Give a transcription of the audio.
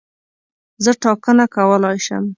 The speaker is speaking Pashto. زه ټاکنه کولای شم.